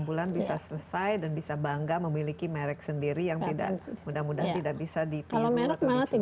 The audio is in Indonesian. enam bulan bisa selesai dan bisa bangga memiliki merek sendiri yang mudah mudahan tidak bisa ditimu atau ditunjukin